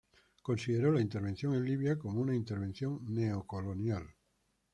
Consideró la intervención en Libia como una intervención neocolonial.